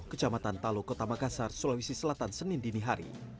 kecamatan talo kota makassar sulawesi selatan senin dinihari